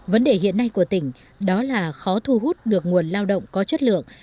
vấn đề hiện nay của tỉnh đó là khó thu hút được nguồn lao động có chất lượng